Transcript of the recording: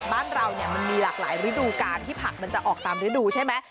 บ้านเราเนี่ยมันมีหลากหลายฤดูการที่ผักมันจะออกตามฤดูใช่ไหม